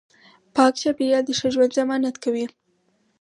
پاک چاپیریال د ښه ژوند ضمانت کوي